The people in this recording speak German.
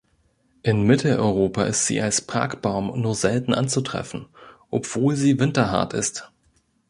In Mitteleuropa ist sie als Parkbaum nur selten anzutreffen, obwohl sie winterhart ist.